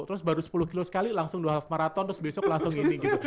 terus baru sepuluh kilo sekali langsung dua half marathon terus besok langsung ini gitu